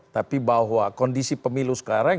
tapi bahwa kondisi pemilu sekarang